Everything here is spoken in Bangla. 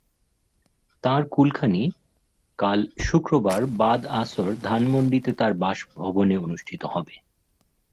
তাঁর কুলখানি কাল শুক্রবার বাদ আসর ধানমন্ডিতে তাঁর বাসভবনে অনুষ্ঠিত হবে।